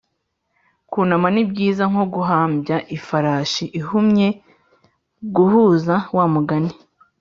kunama ni byiza nko guhumbya ifarashi ihumye guhuza wa mugani